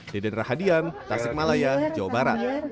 deden rahadian tasik malaya jawa barat